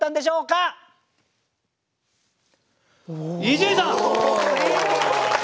伊集院さん。